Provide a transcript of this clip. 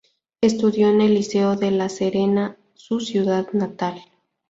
Estudió en el Liceo de La Serena, su ciudad natal.